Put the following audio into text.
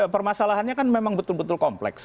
permasalahannya kan memang betul betul kompleks